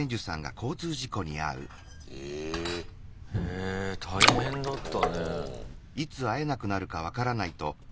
え大変だったね。